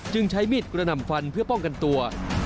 จึงใช้มิตรกระนำฟันเพื่อป้องกันตัว